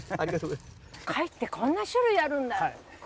貝ってこんな種類あるんだ。